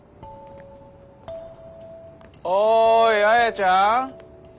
おい亜弥ちゃん。